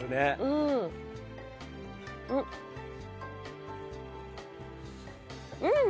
うん。